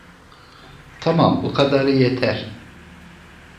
Tamam, bu kadarı yeter.